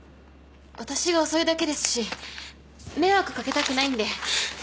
私が遅いだけですし迷惑掛けたくないんで。